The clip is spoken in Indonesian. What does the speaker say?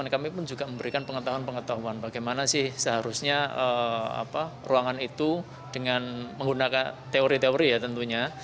kami pun juga memberikan pengetahuan pengetahuan bagaimana sih seharusnya ruangan itu dengan menggunakan teori teori ya tentunya